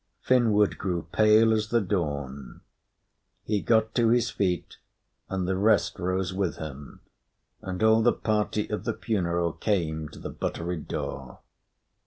Finnward grew pale as the dawn; he got to his feet, and the rest rose with him, and all the party of the funeral came to the buttery door.